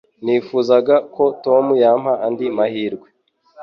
Nifuzaga ko Tom yampa andi mahirwe